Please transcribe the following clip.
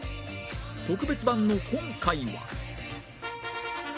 特別版の今回は